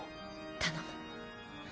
頼む。